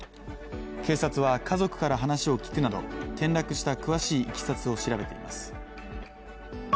警察は家族から話を聞くなど転落した詳しいいきさつを調べています。